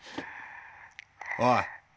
おい！